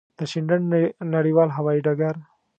د شینډنډ نړېوال هوایی ډګر.